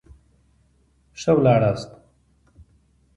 ښه ولاړاست.